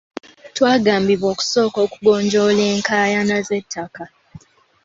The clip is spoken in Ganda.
Twagambibwa okusooka okugonjoola enkaayana z'ettaka.